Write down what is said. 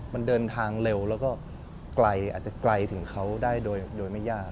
มันเดินทางเร็วแล้วก็ไกลอาจจะไกลถึงเขาได้โดยไม่ยาก